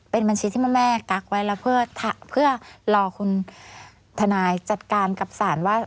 เป็นบัญชีที่แม่กั๊กไว้แล้วเพื่อรอคุณทนายจัดการกับศาลว่า